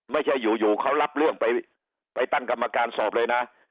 ไม่ใช่อยู่เขารับเรื่องไปตั้งกรรมการสอบเลยนะ